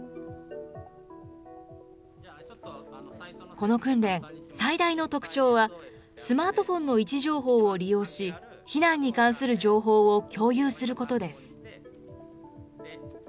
この訓練、最大の特徴は、スマートフォンの位置情報を利用し、避難に関する情報を共有することです。